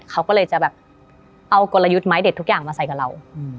เขาก็เลยจะแบบเอากลยุทธ์ไม้เด็ดทุกอย่างมาใส่กับเรา